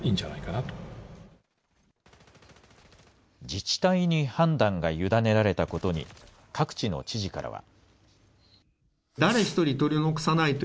自治体に判断が委ねられたことに、各地の知事からは。